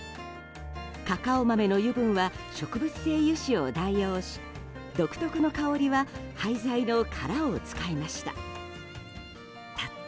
カカオ豆の油分は植物性油脂を代用し独特の香りは廃材の殻を使いました。